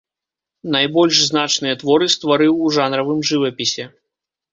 Найбольш значныя творы стварыў у жанравым жывапісе.